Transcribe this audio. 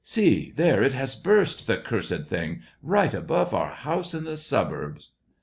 See, there it has burst, the cursed thing! right above our house in the suburbs.'